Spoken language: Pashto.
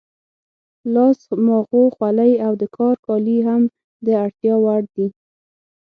لاس ماغو، خولۍ او د کار کالي هم د اړتیا وړ دي.